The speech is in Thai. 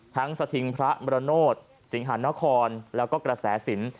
ทั้งสถิงพระมรโนศ์สิงหานครและกระแสศน